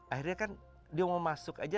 akhirnya kan dia mau masuk aja